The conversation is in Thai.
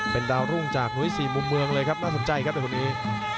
เป็นดาวรุ่งจากนุ้ยสี่มุมเมืองเลยครับน่าสนใจครับแต่คนนี้